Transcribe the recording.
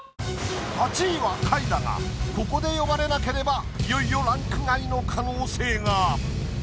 ８位は下位だがここで呼ばれなければいよいよランク外の可能性が。